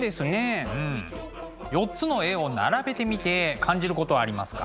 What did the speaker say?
４つの絵を並べてみて感じることありますか？